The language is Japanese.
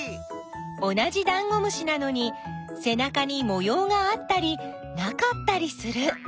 同じダンゴムシなのにせなかにもようがあったりなかったりする！